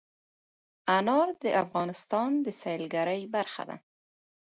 انار د افغانستان د سیلګرۍ برخه ده.